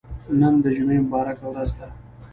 نن د جمعه مبارکه ورځ ده.